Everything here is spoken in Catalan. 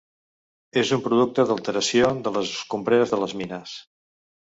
És un producte d'alteració de les escombreres de les mines.